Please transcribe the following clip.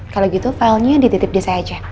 kalau gitu filenya dititip di saya aja